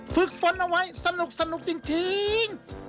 ฝึกฝนเอาไว้สนุกจริง